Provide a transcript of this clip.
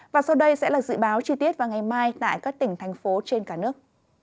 và sau đây sẽ là dự báo chi tiết vào ngày mai tại các tỉnh thành phố trên cả nước